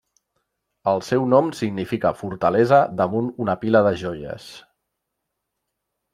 El seu nom significa fortalesa damunt una pila de joies.